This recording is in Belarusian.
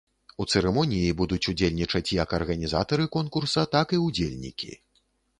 У цырымоніі будуць удзельнічаць як арганізатары конкурса, так і ўдзельнікі.